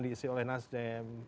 diisi oleh nasdem